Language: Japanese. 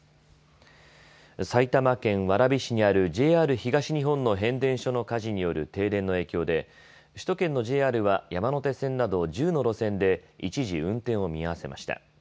埼玉県蕨市にあるＪＲ東日本の変電所の火事による停電の影響で首都圏のＪＲは山手線など１０の路線で一時、運転を見合わせました。